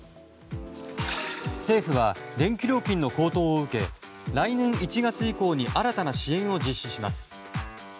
政府は電気料金の高騰を受け来年１月以降に新たな支援を実施します。